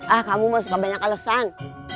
ah kamu mau suka banyak alasan